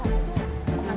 pengacara yang datang